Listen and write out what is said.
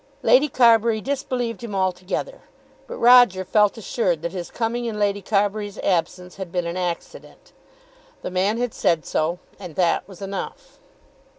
Lady Carbury disbelieved him altogether, but Roger felt assured that his coming in Lady Carbury's absence had been an accident. The man had said so, and that was enough.